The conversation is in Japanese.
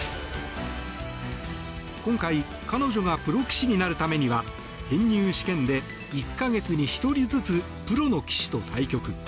今回、彼女がプロ棋士になるためには編入試験で、１か月に１人ずつプロの棋士と対局。